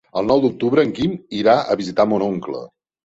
El nou d'octubre en Quim irà a visitar mon oncle.